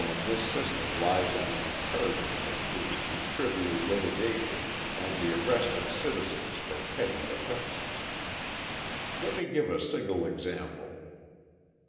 The evil in this system lies in the encouragement it gives to trivial litigation and the arrest of citizens for petty offences. Let me give a single example.